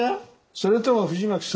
それとも藤巻様